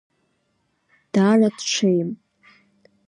Даара дҽеим.